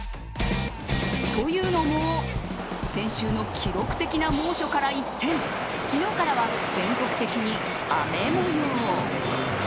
というのも先週の記録的な猛暑から一転昨日からは全国的に雨模様。